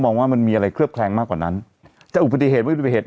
มองว่ามันมีอะไรเคื้อบแคลงมากกว่านั้นจะอุปติเหตุ